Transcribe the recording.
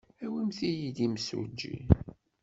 Awimt-iyi-d imsujji.